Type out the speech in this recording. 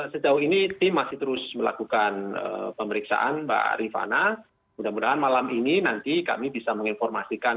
sejauh ini tim masih terus melakukan pemeriksaan mbak rifana mudah mudahan malam ini nanti kami bisa menginformasikan